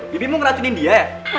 bibi mau ngeracuni dia ya